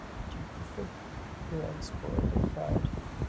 Do you prefer your eggs boiled or fried?